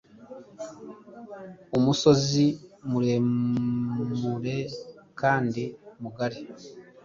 Umusozi muremurekandi mugari